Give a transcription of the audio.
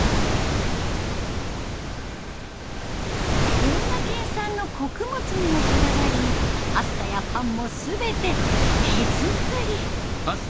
群馬県産の穀物にもこだわりパスタやパンも全て手作り。